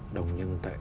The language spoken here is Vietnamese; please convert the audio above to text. đồng nhân tệ